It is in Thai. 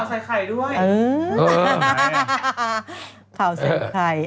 เขามีเผาใส่ไข่ด้วย